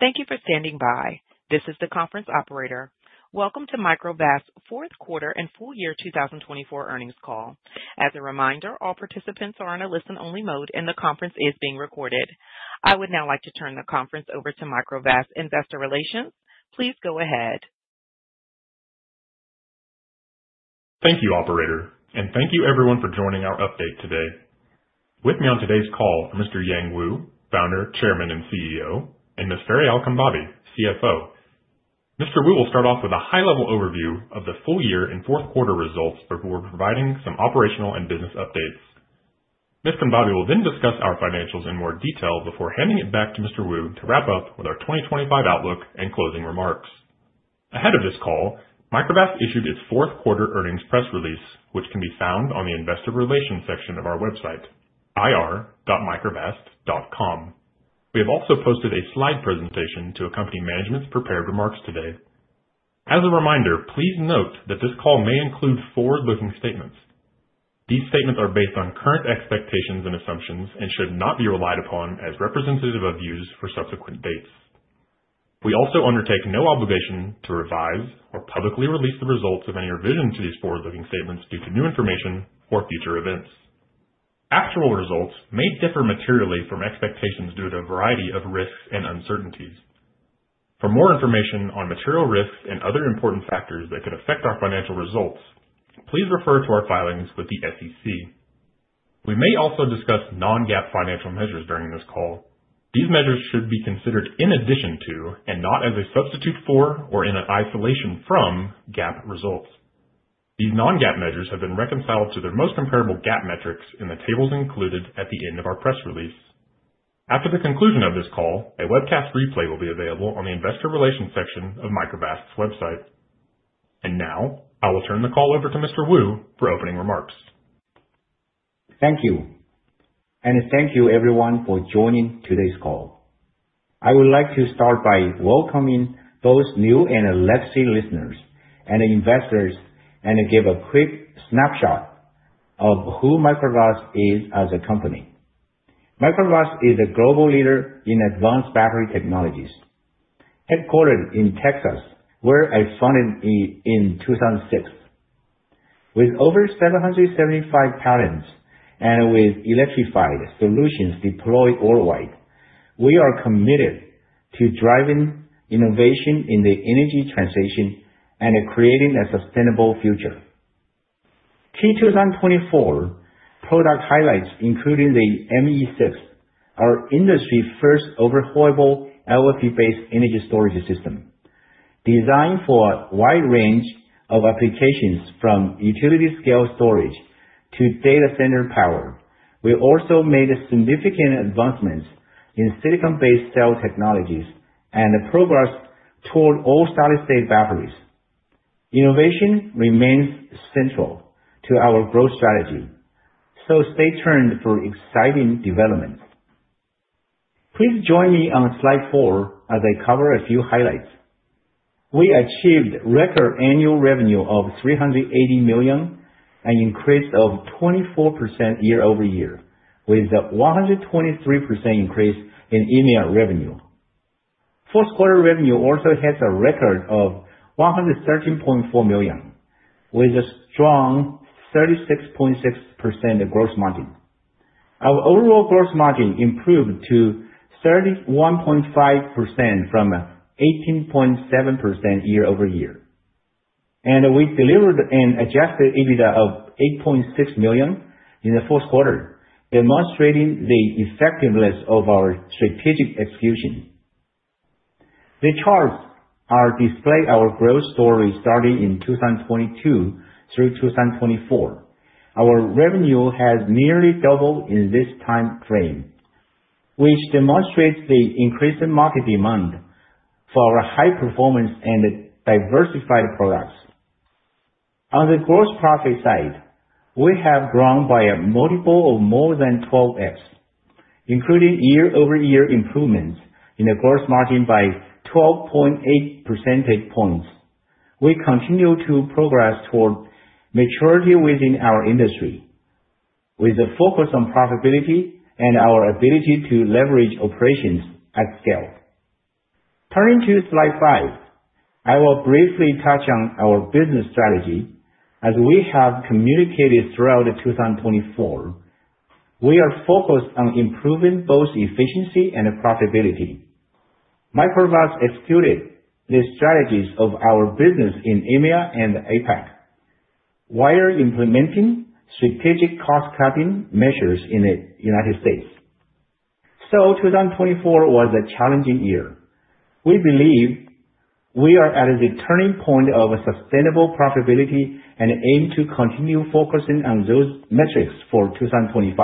Thank you for standing by. This is the conference operator. Welcome to Microvast's fourth quarter and full year 2024 earnings call. As a reminder, all participants are in a listen-only mode, and the conference is being recorded. I would now like to turn the conference over to Microvast Investor Relations. Please go ahead. Thank you, Operator, and thank you, everyone, for joining our update today. With me on today's call are Mr. Yang Wu, Founder, Chairman, and CEO, and Ms. Fariyal Khanbabi, CFO. Mr. Wu will start off with a high-level overview of the full year and fourth quarter results before providing some operational and business updates. Ms. Khanbabi will then discuss our financials in more detail before handing it back to Mr. Wu to wrap up with our 2025 outlook and closing remarks. Ahead of this call, Microvast issued its fourth quarter earnings press release, which can be found on the Investor Relations section of our website, ir.microvast.com. We have also posted a slide presentation to accompany management's prepared remarks today. As a reminder, please note that this call may include forward-looking statements. These statements are based on current expectations and assumptions and should not be relied upon as representative of views for subsequent dates. We also undertake no obligation to revise or publicly release the results of any revision to these forward-looking statements due to new information or future events. Actual results may differ materially from expectations due to a variety of risks and uncertainties. For more information on material risks and other important factors that could affect our financial results, please refer to our filings with the SEC. We may also discuss non-GAAP financial measures during this call. These measures should be considered in addition to, and not as a substitute for, or in isolation from, GAAP results. These non-GAAP measures have been reconciled to their most comparable GAAP metrics in the tables included at the end of our press release. After the conclusion of this call, a webcast replay will be available on the Investor Relations section of Microvast's website. I will turn the call over to Mr. Wu for opening remarks. Thank you. Thank you, everyone, for joining today's call. I would like to start by welcoming those new and legacy listeners and investors and give a quick snapshot of who Microvast is as a company. Microvast is a global leader in advanced battery technologies, headquartered in Texas, where I founded in 2006. With over 775 talents and with electrified solutions deployed worldwide, we are committed to driving innovation in the energy transition and creating a sustainable future. Key 2024 product highlights, including the ME6, our industry-first overhaulable LFP-based energy storage system designed for a wide range of applications, from utility-scale storage to data center power. We also made significant advancements in silicon-based cell technologies and progress toward all solid-state batteries. Innovation remains central to our growth strategy, so stay tuned for exciting developments. Please join me on slide 4 as I cover a few highlights. We achieved record annual revenue of $380 million and an increase of 24% year-over-year, with a 123% increase in EMEA revenue. Fourth quarter revenue also hits a record of $113.4 million, with a strong 36.6% gross margin. Our overall gross margin improved to 31.5% from 18.7% year-over-year. We delivered an adjusted EBITDA of $8.6 million in the fourth quarter, demonstrating the effectiveness of our strategic execution. The charts are displaying our growth story starting in 2022 through 2024. Our revenue has nearly doubled in this time frame, which demonstrates the increasing market demand for high-performance and diversified products. On the gross profit side, we have grown by a multiple of more than 12x, including year-over-year improvements in the gross margin by 12.8 percentage points. We continue to progress toward maturity within our industry, with a focus on profitability and our ability to leverage operations at scale. Turning to slide 5, I will briefly touch on our business strategy. As we have communicated throughout 2024, we are focused on improving both efficiency and profitability. Microvast executed the strategies of our business in EMEA and APAC while implementing strategic cost-cutting measures in the United States. 2024 was a challenging year. We believe we are at the turning point of sustainable profitability and aim to continue focusing on those metrics for 2025.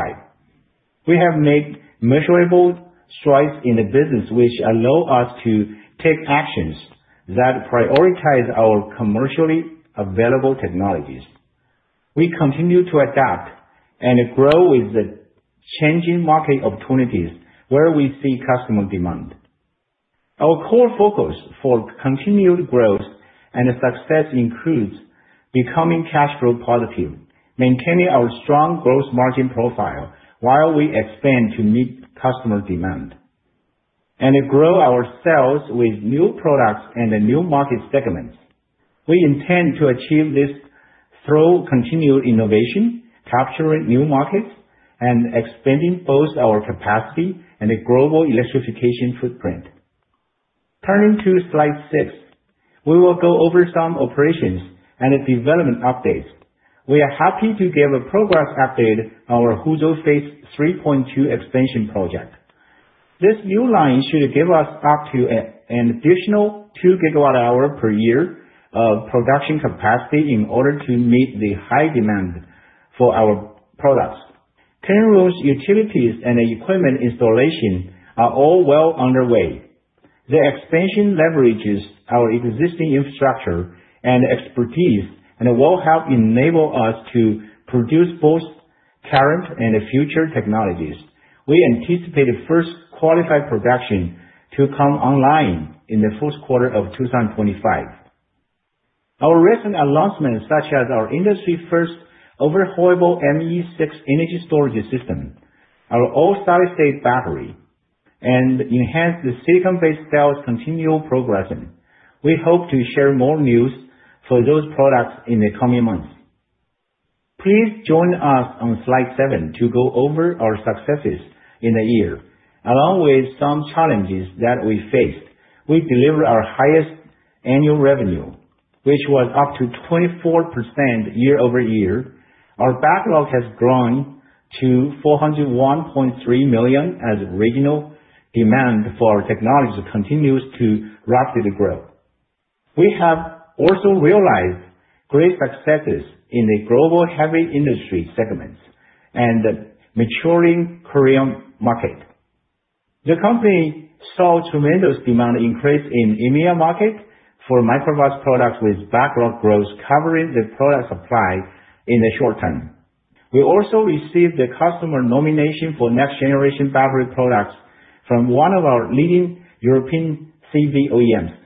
We have made measurable strides in the business, which allow us to take actions that prioritize our commercially available technologies. We continue to adapt and grow with the changing market opportunities where we see customer demand. Our core focus for continued growth and success includes becoming cash flow positive, maintaining our strong gross margin profile while we expand to meet customer demand, and grow our sales with new products and new market segments. We intend to achieve this through continued innovation, capturing new markets, and expanding both our capacity and the global electrification footprint. Turning to slide 6, we will go over some operations and development updates. We are happy to give a progress update on our Huzhou Phase 3.2 expansion project. This new line should give us up to an additional 2 GWh per year of production capacity in order to meet the high demand for our products. Tin roofs, utilities, and equipment installation are all well underway. The expansion leverages our existing infrastructure and expertise and will help enable us to produce both current and future technologies. We anticipate the first qualified production to come online in the fourth quarter of 2025. Our recent announcements, such as our industry-first overhaulable ME6 energy storage system, our all-solid-state battery, and enhanced silicon-based cells continue progressing. We hope to share more news for those products in the coming months. Please join us on slide 7 to go over our successes in the year, along with some challenges that we faced. We delivered our highest annual revenue, which was up to 24% year-over-year. Our backlog has grown to $401.3 million as regional demand for our technologies continues to rapidly grow. We have also realized great successes in the global heavy industry segments and the maturing Korean market. The company saw tremendous demand increase in the EMEA market for Microvast products with backlog growth, covering the product supply in the short term. We also received the customer nomination for next-generation battery products from one of our leading European CV OEMs.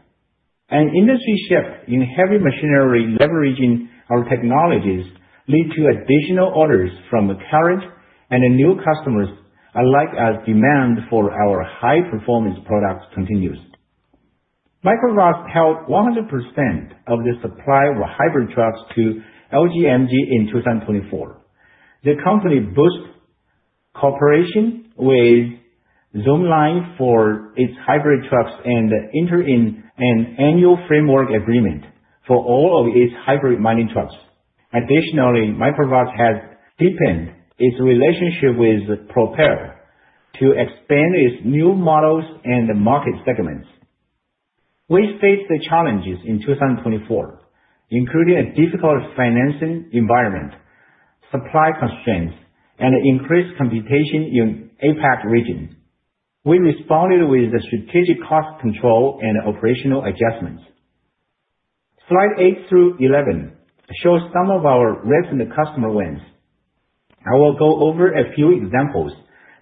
An industry shift in heavy machinery leveraging our technologies led to additional orders from current and new customers, likely as demand for our high-performance products continues. Microvast held 100% of the supply of hybrid trucks to LGMG in 2024. The company boosted cooperation with Zoomlion for its hybrid trucks and entered in an annual framework agreement for all of its hybrid mining trucks. Additionally, Microvast has deepened its relationship with Propel to expand its new models and market segments. We faced the challenges in 2024, including a difficult financing environment, supply constraints, and increased competition in the APAC region. We responded with strategic cost control and operational adjustments. Slide eight through 11 shows some of our recent customer wins. I will go over a few examples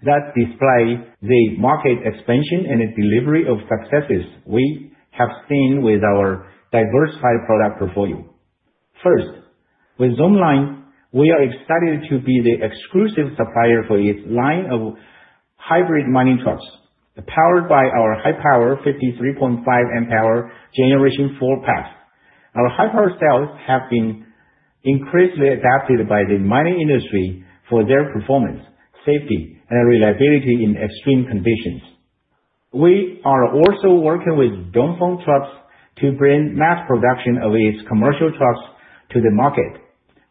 that display the market expansion and delivery of successes we have seen with our diversified product portfolio. First, with Zoomlion, we are excited to be the exclusive supplier for its line of hybrid mining trucks, powered by our high-power 53.5 Ah Generation-4 Pack. Our high-power cells have been increasingly adopted by the mining industry for their performance, safety, and reliability in extreme conditions. We are also working with Dongfeng Trucks to bring mass production of its commercial trucks to the market,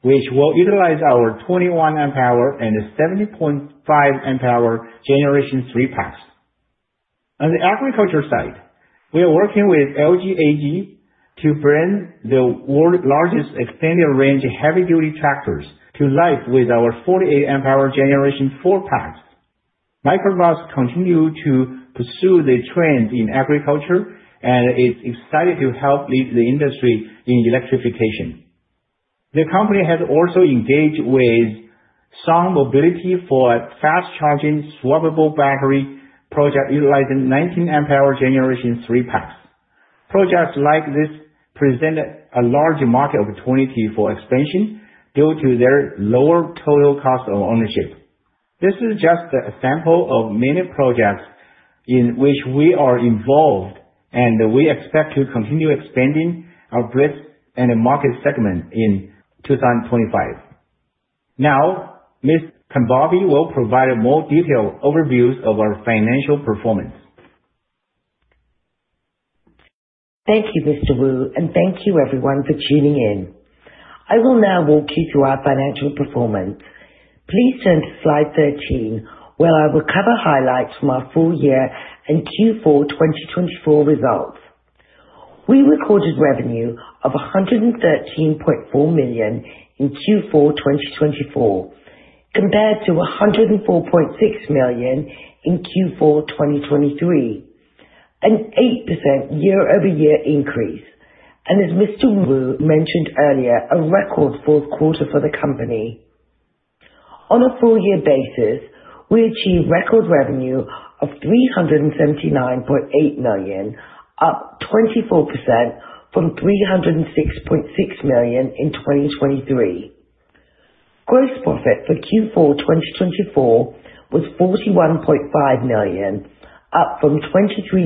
which will utilize our 21 Ah and 70.5 Ah Generation-3 Pack. On the agriculture side, we are working with LGMG to bring the world's largest extended-range heavy-duty tractors to life with our 48 amp-hour Generation-4 Pack. Microvast continues to pursue the trends in agriculture and is excited to help lead the industry in electrification. The company has also engaged with SUN Mobility for a fast-charging swappable battery project utilizing 19 Ah Generation-3 Pack. Projects like this present a large market opportunity for expansion due to their lower total cost of ownership. This is just a sample of many projects in which we are involved, and we expect to continue expanding our breadth and market segment in 2025. Now, Ms. Khanbabi will provide more detailed overviews of our financial performance. Thank you, Mr. Wu, and thank you, everyone, for tuning in. I will now walk you through our financial performance. Please turn to slide 13, where I will cover highlights from our full year and Q4 2024 results. We recorded revenue of $113.4 million in Q4 2024, compared to $104.6 million in Q4 2023, an 8% year-over-year increase, and, as Mr. Wu mentioned earlier, a record fourth quarter for the company. On a full-year basis, we achieved record revenue of $379.8 million, up 24% from $306.6 million in 2023. Gross profit for Q4 2024 was $41.5 million, up from $23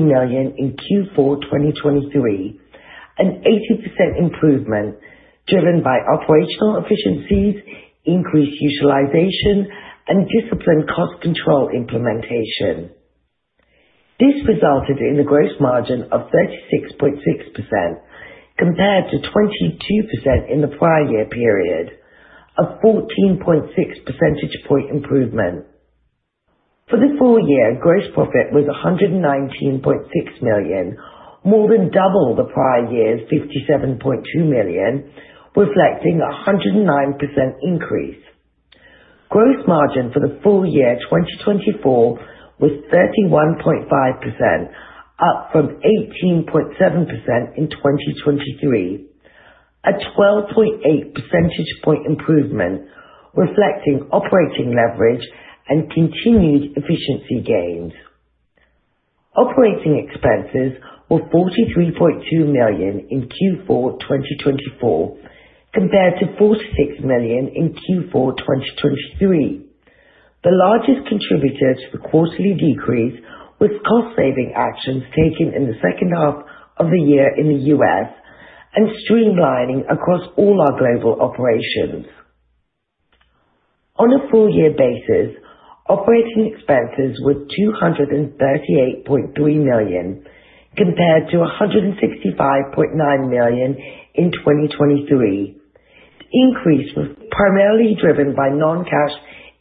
million in Q4 2023, an 80% improvement driven by operational efficiencies, increased utilization, and disciplined cost control implementation. This resulted in a gross margin of 36.6%, compared to 22% in the prior year period, a 14.6 percentage point improvement. For the full year, gross profit was $119.6 million, more than double the prior year's $57.2 million, reflecting a 109% increase. Gross margin for the full year 2024 was 31.5%, up from 18.7% in 2023, a 12.8 percentage point improvement, reflecting operating leverage and continued efficiency gains. Operating expenses were $43.2 million in Q4 2024, compared to $46 million in Q4 2023. The largest contributor to the quarterly decrease was cost-saving actions taken in the second half of the year in the U.S. and streamlining across all our global operations. On a full-year basis, operating expenses were $238.3 million, compared to $165.9 million in 2023. The increase was primarily driven by non-cash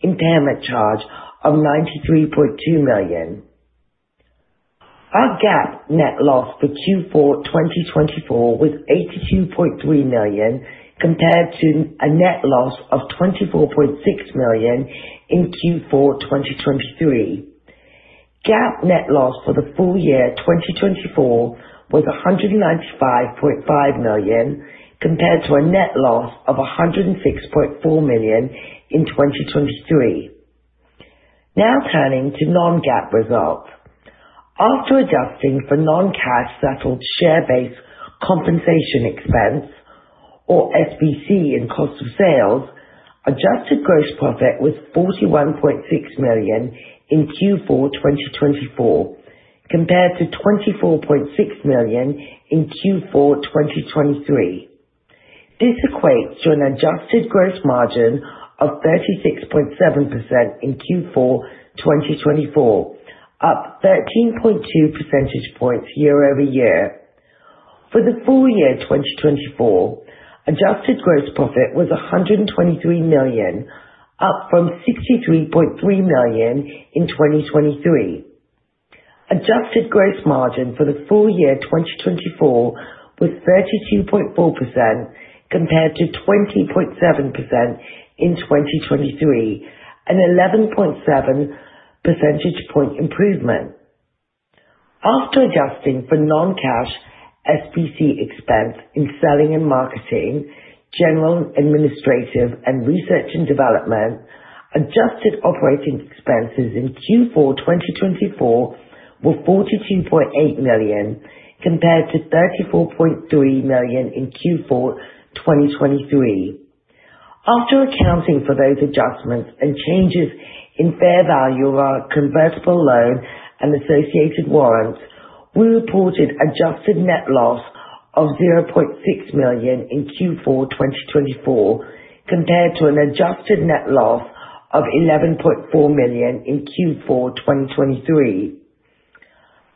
impairment charge of $93.2 million. Our GAAP net loss for Q4 2024 was $82.3 million, compared to a net loss of $24.6 million in Q4 2023. GAAP net loss for the full year 2024 was $195.5 million, compared to a net loss of $106.4 million in 2023. Now turning to non-GAAP results. After adjusting for non-cash settled share-based compensation expense, or SBC, and cost of sales, adjusted gross profit was $41.6 million in Q4 2024, compared to $24.6 million in Q4 2023. This equates to an adjusted gross margin of 36.7% in Q4 2024, up 13.2 percentage points year-over-year. For the full year 2024, adjusted gross profit was $123 million, up from $63.3 million in 2023. Adjusted gross margin for the full year 2024 was 32.4%, compared to 20.7% in 2023, an 11.7 percentage point improvement. After adjusting for non-cash SBC expense in selling and marketing, general administrative, and research and development, adjusted operating expenses in Q4 2024 were $42.8 million, compared to $34.3 million in Q4 2023. After accounting for those adjustments and changes in fair value of our convertible loan and associated warrants, we reported adjusted net loss of $0.6 million in Q4 2024, compared to an adjusted net loss of $11.4 million in Q4 2023.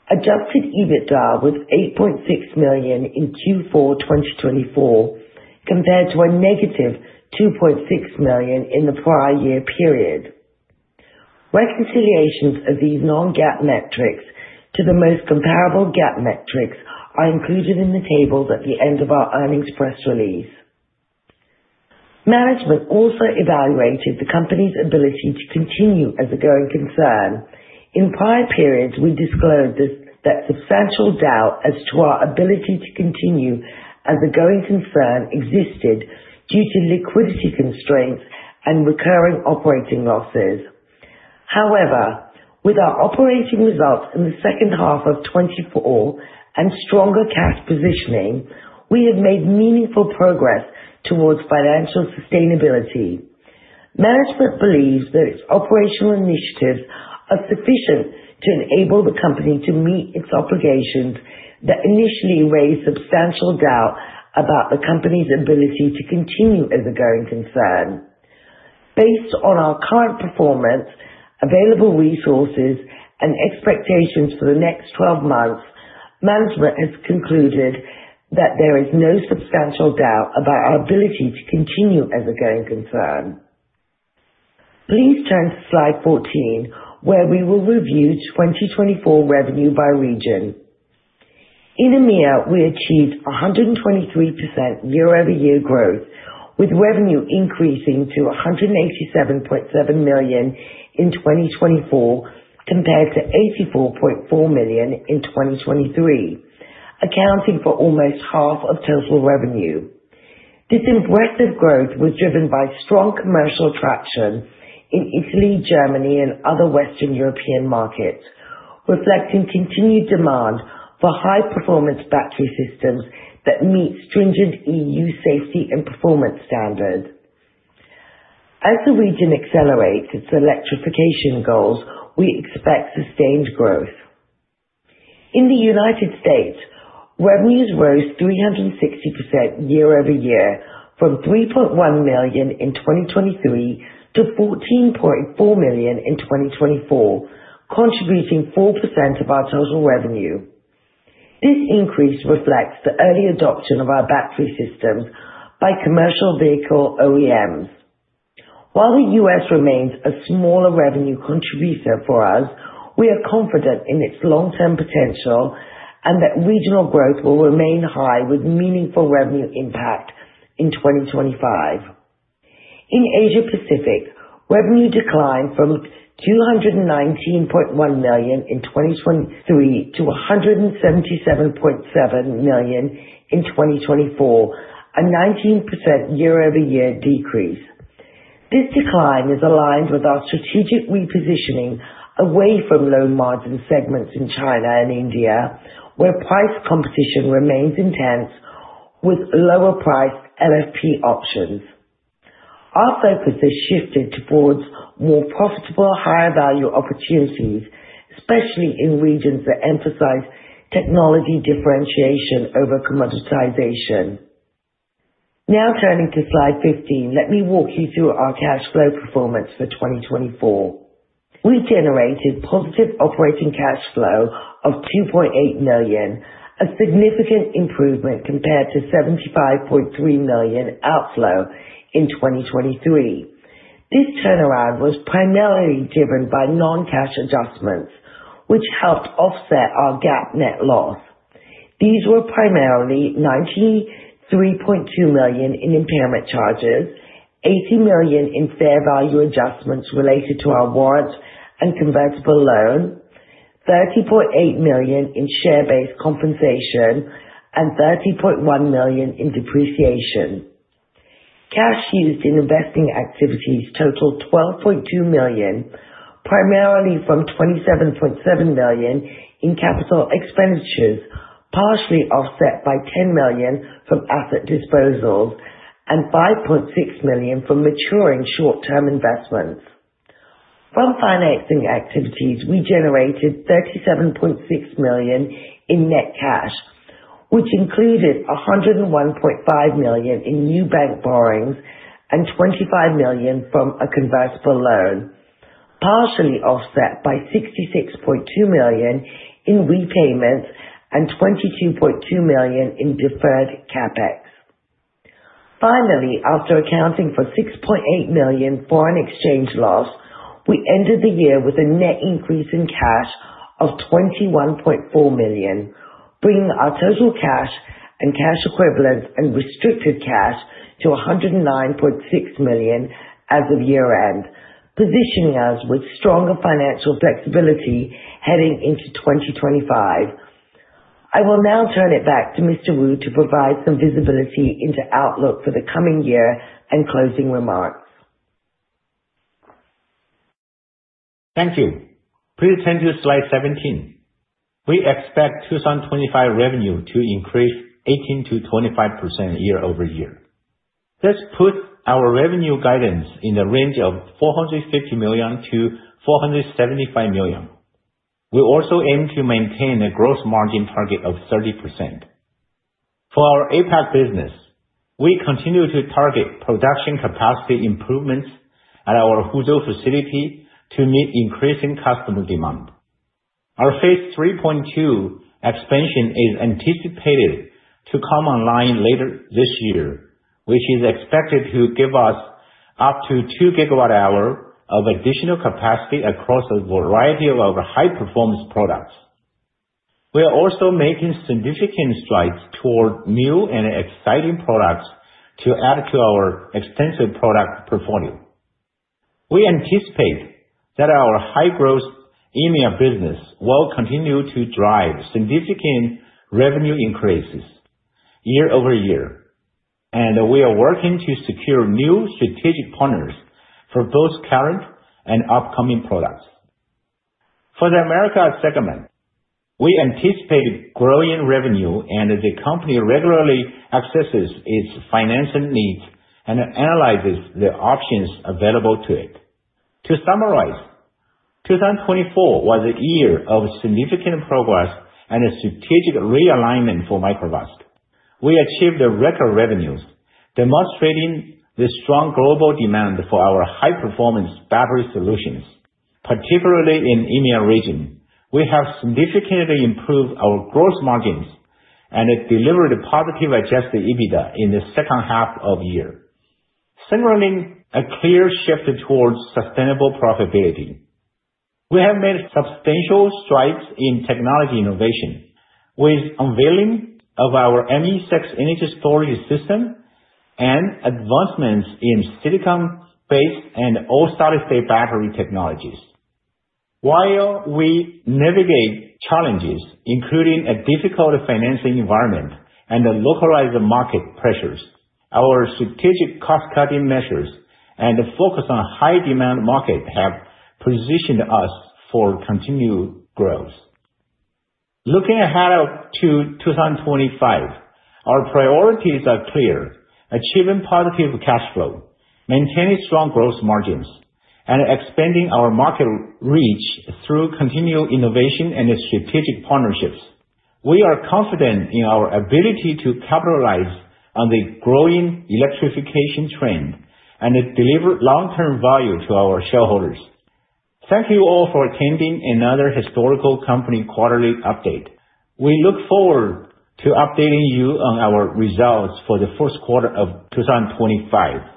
Adjusted EBITDA was $8.6 million in Q4 2024, compared to a negative $2.6 million in the prior year period. Reconciliations of these non-GAAP metrics to the most comparable GAAP metrics are included in the tables at the end of our earnings press release. Management also evaluated the company's ability to continue as a going concern. In prior periods, we disclosed that substantial doubt as to our ability to continue as a going concern existed due to liquidity constraints and recurring operating losses. However, with our operating results in the second half of 2024 and stronger cash positioning, we have made meaningful progress towards financial sustainability. Management believes that its operational initiatives are sufficient to enable the company to meet its obligations that initially raised substantial doubt about the company's ability to continue as a going concern. Based on our current performance, available resources, and expectations for the next 12 months, management has concluded that there is no substantial doubt about our ability to continue as a going concern. Please turn to slide 14, where we will review 2024 revenue by region. In EMEA, we achieved 123% year-over-year growth, with revenue increasing to $187.7 million in 2024, compared to $84.4 million in 2023, accounting for almost half of total revenue. This impressive growth was driven by strong commercial traction in Italy, Germany, and other Western European markets, reflecting continued demand for high-performance battery systems that meet stringent EU safety and performance standards. As the region accelerates its electrification goals, we expect sustained growth. In the United States, revenues rose 360% year-over-year from $3.1 million in 2023 to $14.4 million in 2024, contributing 4% of our total revenue. This increase reflects the early adoption of our battery systems by commercial vehicle OEMs. While the U.S. remains a smaller revenue contributor for us, we are confident in its long-term potential and that regional growth will remain high with meaningful revenue impact in 2025. In Asia-Pacific, revenue declined from $219.1 million in 2023 to $177.7 million in 2024, a 19% year-over-year decrease. This decline is aligned with our strategic repositioning away from low-margin segments in China and India, where price competition remains intense with lower-priced LFP options. Our focus has shifted towards more profitable, higher-value opportunities, especially in regions that emphasize technology differentiation over commoditization. Now turning to slide 15, let me walk you through our cash flow performance for 2024. We generated positive operating cash flow of $2.8 million, a significant improvement compared to $75.3 million outflow in 2023. This turnaround was primarily driven by non-cash adjustments, which helped offset our GAAP net loss. These were primarily $93.2 million in impairment charges, $80 million in fair value adjustments related to our warrant and convertible loan, $30.8 million in share-based compensation, and $30.1 million in depreciation. Cash used in investing activities totaled $12.2 million, primarily from $27.7 million in capital expenditures, partially offset by $10 million from asset disposals and $5.6 million from maturing short-term investments. From financing activities, we generated $37.6 million in net cash, which included $101.5 million in new bank borrowings and $25 million from a convertible loan, partially offset by $66.2 million in repayments and $22.2 million in deferred CapEx. Finally, after accounting for $6.8 million foreign exchange loss, we ended the year with a net increase in cash of $21.4 million, bringing our total cash and cash equivalents and restricted cash to $109.6 million as of year-end, positioning us with stronger financial flexibility heading into 2025. I will now turn it back to Mr. Wu to provide some visibility into outlook for the coming year and closing remarks. Thank you. Please turn to slide 17. We expect 2025 revenue to increase 18%-25% year-over-year. Let's put our revenue guidance in the range of $450 million-$475 million. We also aim to maintain a gross margin target of 30%. For our APAC business, we continue to target production capacity improvements at our Huzhou facility to meet increasing customer demand. Our Phase 3.2 expansion is anticipated to come online later this year, which is expected to give us up to 2 GWh of additional capacity across a variety of our high-performance products. We are also making significant strides toward new and exciting products to add to our extensive product portfolio. We anticipate that our high-growth EMEA business will continue to drive significant revenue increases year-over-year, and we are working to secure new strategic partners for both current and upcoming products. For the America segment, we anticipate growing revenue, and the company regularly assesses its financial needs and analyzes the options available to it. To summarize, 2024 was a year of significant progress and a strategic realignment for Microvast. We achieved record revenues, demonstrating the strong global demand for our high-performance battery solutions. Particularly in the EMEA region, we have significantly improved our gross margins and delivered a positive adjusted EBITDA in the second half of the year, signaling a clear shift towards sustainable profitability. We have made substantial strides in technology innovation, with the unveiling of our ME6 energy storage system and advancements in silicon-based and all-solid-state battery technologies. While we navigate challenges, including a difficult financing environment and localized market pressures, our strategic cost-cutting measures and the focus on a high-demand market have positioned us for continued growth. Looking ahead to 2025, our priorities are clear: achieving positive cash flow, maintaining strong gross margins, and expanding our market reach through continued innovation and strategic partnerships. We are confident in our ability to capitalize on the growing electrification trend and deliver long-term value to our shareholders. Thank you all for attending another historical company quarterly update. We look forward to updating you on our results for the first quarter of 2025.